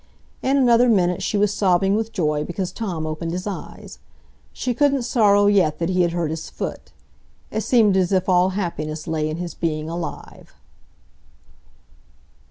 In another minute she was sobbing with joy because Tom opened his eyes. She couldn't sorrow yet that he had hurt his foot; it seemed as if all happiness lay in his being alive.